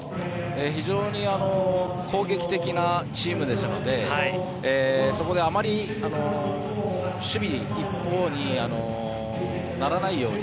非常に攻撃的なチームですのでそこであまり守備一方にならないように。